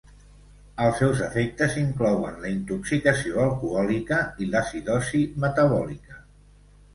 Els seus efectes inclouen la intoxicació alcohòlica i l'acidosi metabòlica.